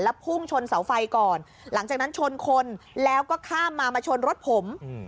พุ่งชนเสาไฟก่อนหลังจากนั้นชนคนแล้วก็ข้ามมามาชนรถผม